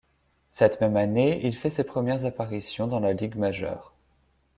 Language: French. Cette même année, il fait ses premières apparitions dans la ligue majeure.